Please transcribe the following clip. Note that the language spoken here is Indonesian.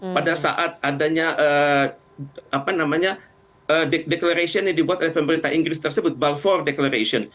pada saat adanya declaration yang dibuat oleh pemerintah inggris tersebut balfour declaration